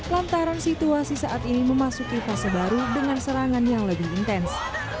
lantaran situasi saat ini memasuki fase baru dengan serangan yang lebih intens